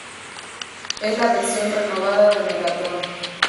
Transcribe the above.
Es la versión renovada de Megatron.